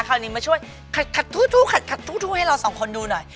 ขอขัดทู่หลังจากนี้